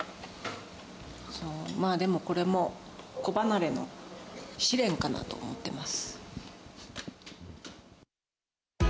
でもこれも子離れの試練かなと思ってます。